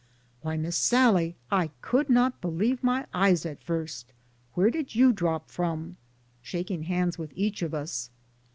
''Why, Miss Sallie, I could not believe my eyes at first. Where did you drop from?" shaking hands with each of us.